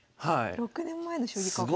６年前の将棋かこれは。